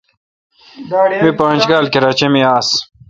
می پانج کال کراچی می آس۔